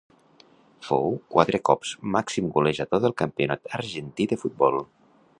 Fou quatre cops màxim golejador del campionat argentí de futbol.